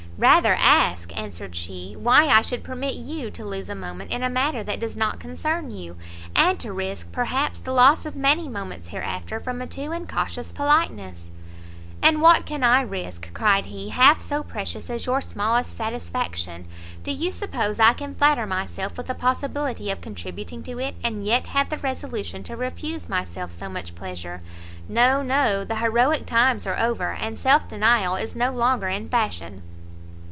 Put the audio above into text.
"Rather ask," answered she, "why I should permit you to lose a moment in a matter that does not concern you? and to risk, perhaps, the loss of many moments hereafter, from a too incautious politeness." "And what can I risk," cried he, "half so precious as your smallest satisfaction? do you suppose I can flatter myself with a possibility of contributing to it, and yet have the resolution to refuse myself so much pleasure? no, no, the heroic times are over, and self denial is no longer in fashion!"